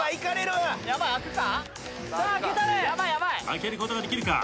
開けることができるか？